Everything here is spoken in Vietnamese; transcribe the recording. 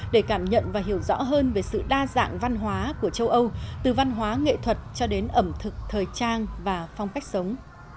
để cảm nhận và hiểu rõ hơn về sự đa dạng văn hóa của châu âu từ văn hóa nghệ thuật cho đến ẩm thực thời trang và phong cách sống